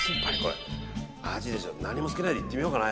なにもつけないでいってみようかな。